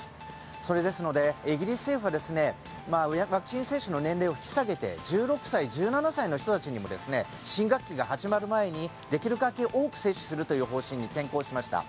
それですので、イギリス政府はワクチン接種の年齢を引き下げて１６歳、１７歳の人たちにも新学期が始まる前にできるだけ多く接種するという方針に転向しました。